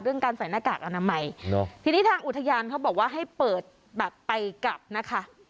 การใส่หน้ากากอนามัยทีนี้ทางอุทยานเขาบอกว่าให้เปิดแบบไปกลับนะคะ